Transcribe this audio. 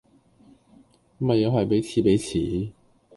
咪又係彼此彼此